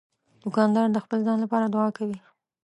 دوکاندار د خپل ځان لپاره دعا کوي.